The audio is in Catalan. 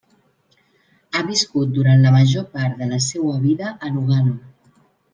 Ha viscut durant la major part de la seua vida a Lugano.